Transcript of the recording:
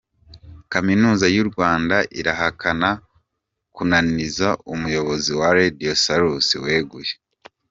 Kaminuza y’u Rwanda irahakana kunaniza umuyobozi wa Radio Salusi weguye